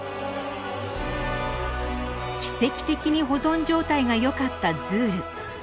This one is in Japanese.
奇跡的に保存状態がよかったズール。